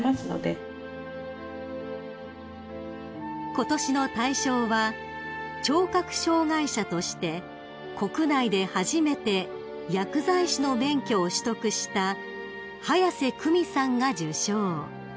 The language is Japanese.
［ことしの大賞は聴覚障害者として国内で初めて薬剤師の免許を取得した早瀬久美さんが受賞］